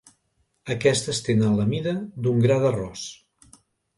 Aquestes tenen la mida d'un gra d'arròs.